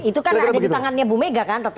itu kan ada di tangannya bu mega kan